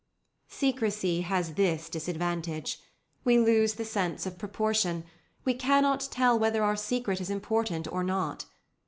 Secrecy has this disadvantage: we lose the sense of proportion; we cannot tell whether our secret is important or not.